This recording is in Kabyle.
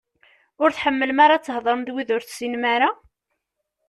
Ur tḥemmlem ara ad theḍṛem d wid ur tessinem ara?